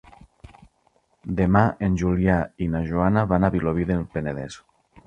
Demà en Julià i na Joana van a Vilobí del Penedès.